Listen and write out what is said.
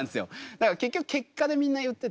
だから結局結果でみんな言ってて。